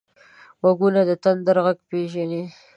غوږونه د تندر غږ پېژني